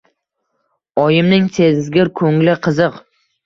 Oyimning «sezgir ko‘ngli» qiziq.